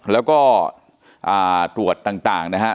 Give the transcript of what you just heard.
แล้วก็ตรวจต่างนะฮะ